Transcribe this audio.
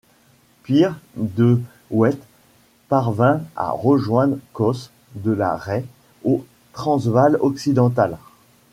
Pire, De Wet parvint à rejoindre Koos de la Rey au Transvaal occidental.